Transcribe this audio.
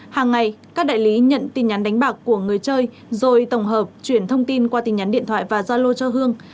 hàng ngày các đại lý nhận tin nhắn đánh bạc của người chơi rồi tổng hợp chuyển thông tin qua tin nhắn điện thoại và gia lô cho hương